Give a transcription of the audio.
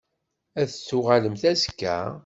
Ad d-tuɣalemt azekka?